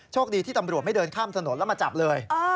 คดีที่ตำรวจไม่เดินข้ามถนนแล้วมาจับเลย